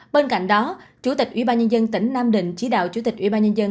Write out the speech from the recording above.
bên cạnh đó chủ tịch ủy ban nhân dân tỉnh nam định chỉ đạo chủ tịch ủy ban nhân dân